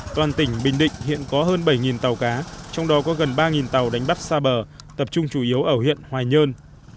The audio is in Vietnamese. toàn tỉnh bình định hiện có hơn bảy tàu cá trong đó có gần ba tàu đánh bắt xa bờ tập trung chủ yếu ở huyện hoài nhơn